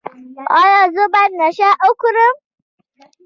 ایا زه باید نشه وکړم؟